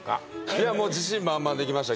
いやもう自信満々で来ました